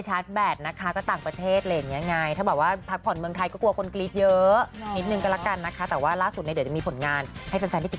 ชาร์จแบตเต็มที่แล้วตอนนี้